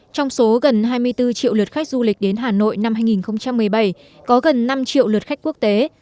trong số gần hai mươi bốn triệu lượt khách du lịch đến hà nội năm hai nghìn một mươi bảy có gần năm triệu lượt khách quốc tế